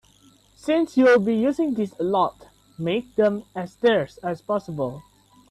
Since you'll be using these a lot, make them as terse as possible.